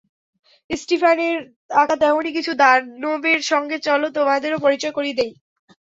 স্টিফানের আঁকা তেমনই কিছু দানবের সঙ্গে চলো তোমাদেরও পরিচয় করিয়ে দিই।